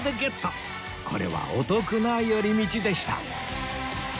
これはお得な寄り道でした